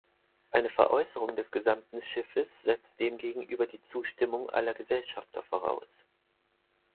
Eine Veräußerung des gesamten Schiffes setzt demgegenüber die Zustimmung aller Gesellschafter voraus.